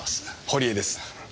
堀江です。